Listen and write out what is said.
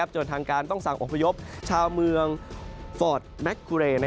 จนทางการต้องสั่งอพยพชาวเมืองฟอร์ดแม็กคุเรย์